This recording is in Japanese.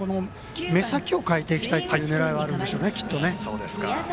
目先を変えていきたいという狙いはあるんでしょうね、きっと。